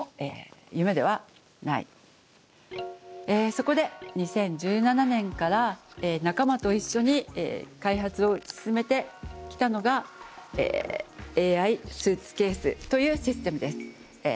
そこで２０１７年から仲間と一緒に開発を進めてきたのがＡＩスーツケースというシステムです。